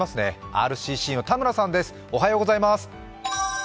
ＲＣＣの田村さんです。